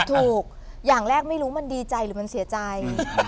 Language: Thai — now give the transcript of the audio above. ถูกอย่างแรกไม่รู้มันดีใจหรือมันเสียใจ